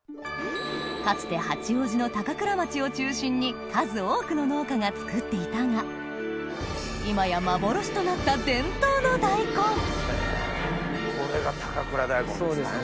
かつて八王子の高倉町を中心に数多くの農家が作っていたが今や幻となった伝統の大根これが高倉ダイコンですね。